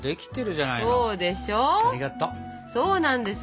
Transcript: そうなんですよ。